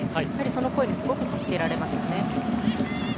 その声にすごく助けられますね。